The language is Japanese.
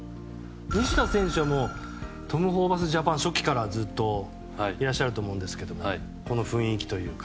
西田選手はトム・ホーバスジャパン初期からずっといらっしゃると思うんですけどこの雰囲気というか。